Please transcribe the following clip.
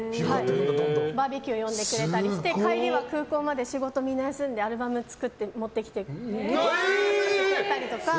バーベキュー呼んでくれたりして帰りは空港まで仕事みんな休んでアルバム作って持ってきてくれたりとか。